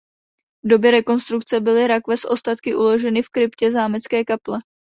V době rekonstrukce byly rakve s ostatky uloženy v kryptě zámecké kaple.